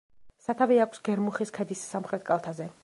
სათავე აქვს გერმუხის ქედის სამხრეთ კალთაზე.